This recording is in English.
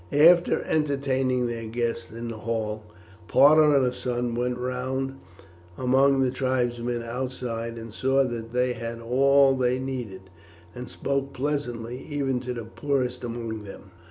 After entertaining their guests in the hall, Parta and her son went round among the tribesmen outside and saw that they had all they needed, and spoke pleasantly even to the poorest among them.